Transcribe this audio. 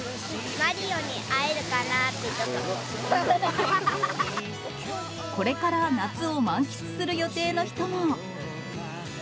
マリオに会えるかなって、これから夏を満喫する予定の人も。